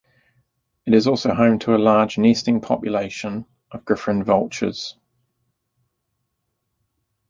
It is also home to a large nesting population of Griffon vultures.